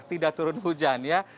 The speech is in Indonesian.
tidak turun hujan ya